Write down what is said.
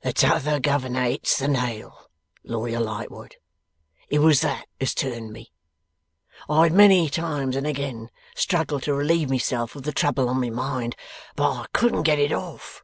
'The T'other Governor hits the nail, Lawyer Lightwood! It was that as turned me. I had many times and again struggled to relieve myself of the trouble on my mind, but I couldn't get it off.